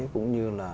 cũng như là